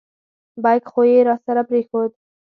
بیک خو یې راسره را پرېښود.